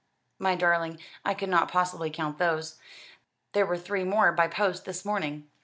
"My darling, I could not possibly count those. There were three more by post this morning."